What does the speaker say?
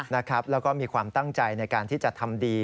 แล้วก็มีความตั้งใจในการที่จะทำดี